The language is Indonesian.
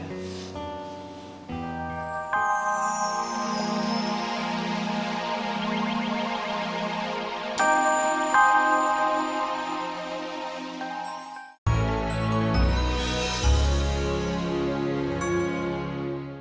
gue kangen banget sama raya